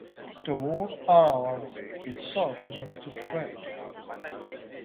The word Ottawa itself means "to trade".